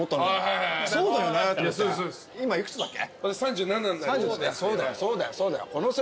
今幾つだっけ？